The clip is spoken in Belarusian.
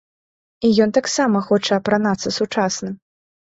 І ён таксама хоча апранацца сучасна.